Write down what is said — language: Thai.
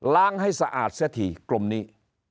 ล้างให้สะอาดเสียทีกลมนี้